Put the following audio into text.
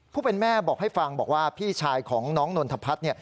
ผู้เป็นแม่บอกให้ฟังบอกว่าพี่ชายของน้องนนทพัฒน์